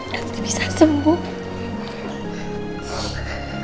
nanti bisa sembuh